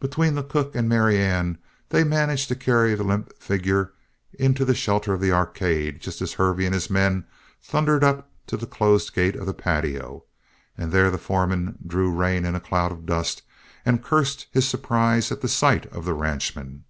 Between the cook and Marianne they managed to carry the limp figure to the shelter of the arcade just as Hervey and his men thundered up to the closed gate of the patio, and there the foreman drew rein in a cloud of dust and cursed his surprise at the sight of the ranchman.